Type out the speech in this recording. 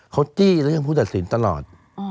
เขาจี้เรื่องผู้ตัดสินตลอด